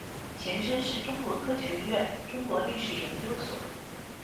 前身是中国科学院中国历史研究所。